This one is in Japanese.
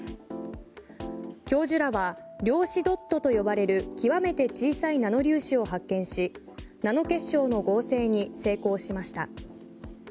教授らは量子ドットと呼ばれる極めて小さいナノ粒子を発見しナノ結晶の合成に成功しました。